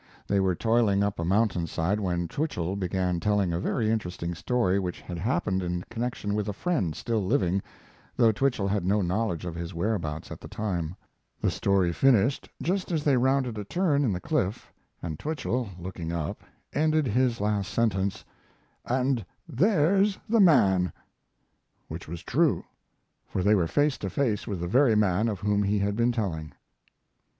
They were toiling up a mountainside, when Twichell began telling a very interesting story which had happened in connection with a friend still living, though Twichell had no knowledge of his whereabouts at this time. The story finished just as they rounded a turn in, the cliff, and Twichell, looking up, ended his last sentence, "And there's the man!" Which was true, for they were face to face with the very man of whom he had been telling.